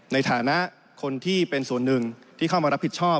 ในฐานะคนที่เป็นส่วนหนึ่งที่เข้ามารับผิดชอบ